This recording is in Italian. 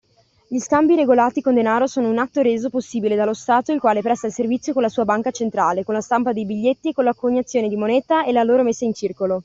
Gli scambi regolati con denaro sono un atto reso possibile dallo stato il quale presta il servizio con la sua banca centrale con la stampa dei biglietti e con la coniazione di moneta e la loro messa in circolo.